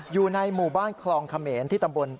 อยู่ในหมู่บ้านคลองเขมรที่ตำบล